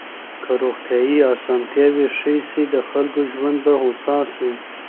که روغتيايي اسانتياوي ښې سي د خلګو ژوند به هوسا سي.